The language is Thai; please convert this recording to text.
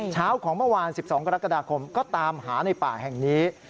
เช้าของเมื่อวาน๑๒กรกฎาคมก็ตามหาในป่าแห่งนี้